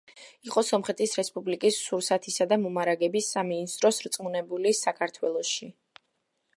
იყო სომხეთის რესპუბლიკის სურსათისა და მომარაგების სამინისტროს რწმუნებული საქართველოში.